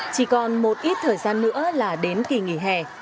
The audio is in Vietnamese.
chỉ còn một ít thời gian nữa là đến kỳ nghỉ hè